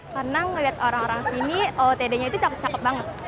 karena melihat orang orang sini ootd nya itu cakep cakep banget